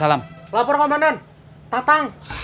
lapor komandan tatang